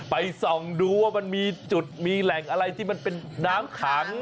ส่องดูว่ามันมีจุดมีแหล่งอะไรที่มันเป็นน้ำขัง